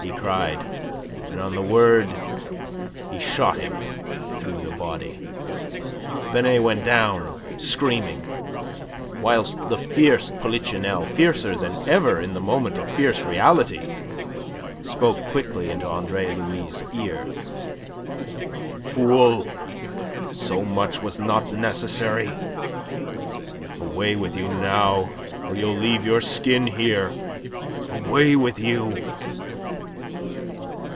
he cried. And on the word he shot him through the body. Binet went down screaming, whilst the fierce Polichinelle, fiercer than ever in that moment of fierce reality, spoke quickly into Andre Louis' ear: "Fool! So much was not necessary! Away with you now, or you'll leave your skin here! Away with you!"